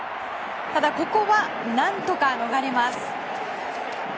ただ、ここは何とか逃れます。